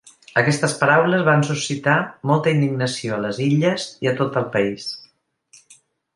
Aquestes paraules van suscitar molta indignació a les Illes i a tot el país.